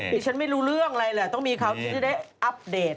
ฉันไม่รู้เรื่องอะไรแหละต้องมีเขาจะได้อัปเดต